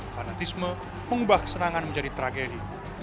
fanatisme mengubah kesenangan menjadi tragedi